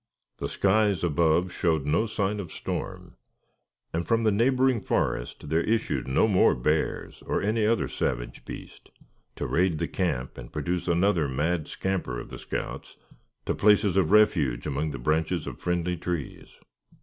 The skies above showed no sign of storm; and from the neighboring forest there issued no more bears, or any other savage beast, to raid the camp, and produce another mad scamper of the scouts to places of refuge among the branches of the friendly trees.